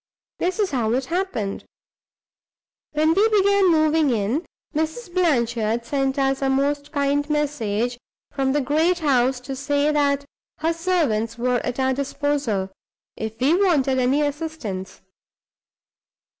This is how it happened. When we began moving in, Mrs. Blanchard sent us a most kind message from the great house to say that her servants were at our disposal, if we wanted any assistance.